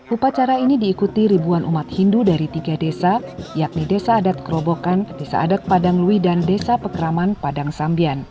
upacara ini diikuti ribuan umat hindu dari tiga desa yakni desa adat kerobokan desa adat padanglui dan desa pekraman padang sambian